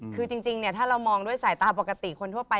คือจริงถ้าเรามองด้วยสายตาปกติคนทั่วไป